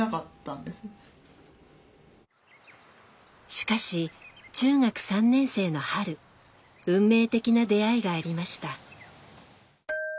しかし中学３年生の春運命的な出会いがありました。